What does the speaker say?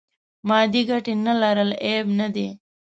مادې ګټې نه لرل عیب نه دی.